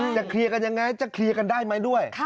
เคลียร์กันยังไงจะเคลียร์กันได้ไหมด้วย